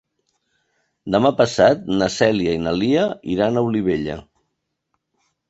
Demà passat na Cèlia i na Lia iran a Olivella.